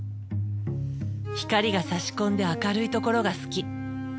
光がさし込んで明るいところが好き。